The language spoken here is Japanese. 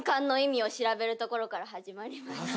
始まりました。